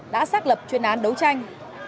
đã xác lập chuyên án đấu tranh